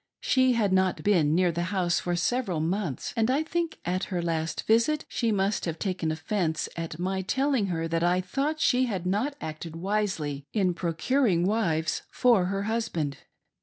She had not been near the house for several months, and I think, at her .last visit, she must have taken offence at my telling her that I thought she had not acted wisely in procuring wives for her husband.